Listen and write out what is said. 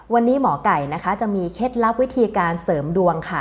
วันนี้หมอไก่นะคะจะมีเคล็ดลับวิธีการเสริมดวงค่ะ